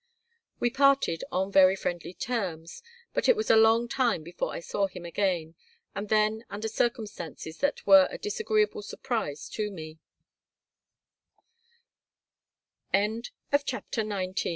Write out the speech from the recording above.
We parted on very friendly terms. But it was a long time before I saw him again, and then under circumstances that were a disagreeable surprise to me BOOK X ON THE ROAD CHAP